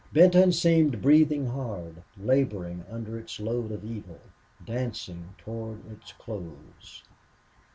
Benton seemed breathing hard, laboring under its load of evil, dancing toward its close.